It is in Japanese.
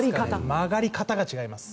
曲がり方が違います。